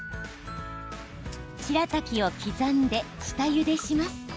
しらたきを刻んで、下ゆでします。